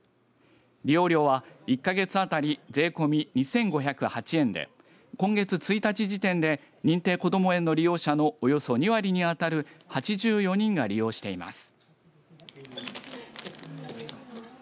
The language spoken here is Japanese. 利用料は１か月あたり税込み２５０８円で今月１日時点で認定こども園の利用者のおよそ２割に当たる８４人が利用しています。